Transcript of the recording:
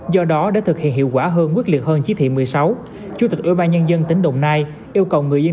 do đó để thực hiện hiệu quả hơn quyết liệt hơn chí thị một mươi sáu chủ tịch ủy ban nhân dân tỉnh đồng nai yêu cầu người dân